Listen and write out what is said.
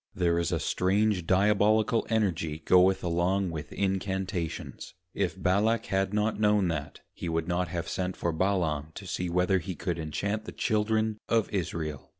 There is a strange Diabolical Energy goeth along with Incantations. If Balak had not known that he would not have sent for Balaam, to see whether he could inchant the Children of Israel.